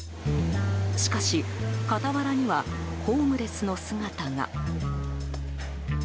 しかし、傍らにはホームレスの姿が。